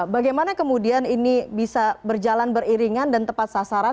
bagaimana kemudian ini bisa berjalan beriringan dan tepat sasaran